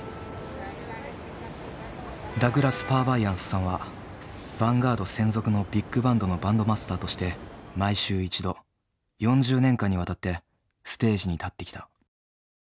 ダグラス・パーヴァイアンスさんはヴァンガード専属のビッグバンドのバンドマスターとして毎週１度４０年間にわたってステージに立ってきた。